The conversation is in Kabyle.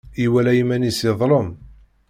Iwala iman-is yeḍlem.